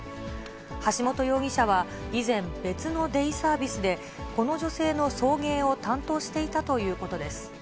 橋本容疑者は以前、別のデイサービスで、この女性の送迎を担当していたということです。